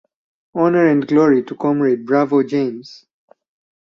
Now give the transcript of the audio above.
Honor and glory to Comrade Bravo James!